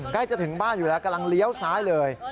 ใกล้จะถึงบ้านอยู่แล้วกำลังเลี้ยวซ้ายเลย